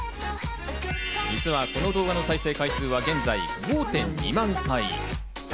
実は、この動画の再生回数は現在５．２万回。